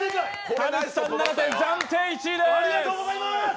田渕さん７点、暫定１位です。